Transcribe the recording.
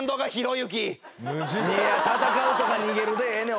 「たたかう」とか「にげる」でええねん。